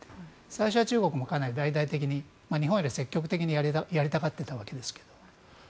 最初は中国もかなり大々的に日本よりも積極的にやりたがっていたわけですけど。